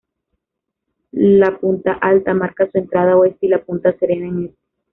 La punta Alta marca su entrada oeste y la punta Serena en este.